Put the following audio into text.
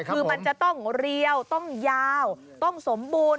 คือมันจะต้องเรียวต้องยาวต้องสมบูรณ์